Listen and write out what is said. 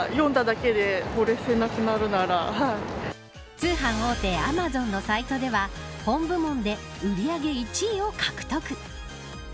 通販大手アマゾンのサイトでは本部門で売り上げ１位を獲得。